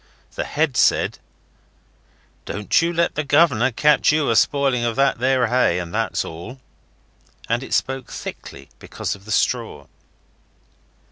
The head said 'Don't you let the governor catch you a spoiling of that there hay, that's all.' And it spoke thickly because of the straw.